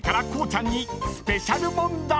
ちゃんにスペシャル問題！］